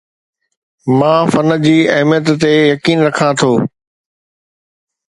مان فن جي اهميت تي يقين رکان ٿو